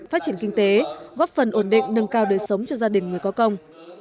phát triển kinh tế góp phần ổn định nâng cao đời sống cho gia đình người có công